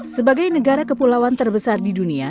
sebagai negara kepulauan terbesar di dunia